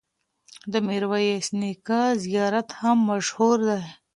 د میرویس نیکه زیارت هم مشهور دی.